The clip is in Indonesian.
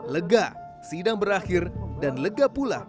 lega sidang berakhir dan lega pula